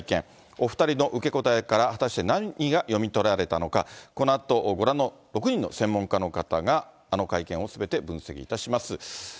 お２人の受け答えから、果たして何が読み取られたのか、このあとご覧の６人の専門家の方が、あの会見をすべて分析いたします。